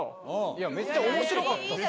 いやめっちゃ面白かったっす。